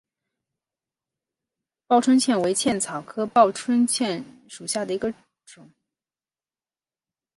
报春茜为茜草科报春茜属下的一个种。